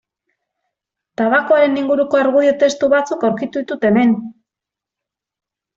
Tabakoaren inguruko argudio testu batzuk aurkitu ditut hemen.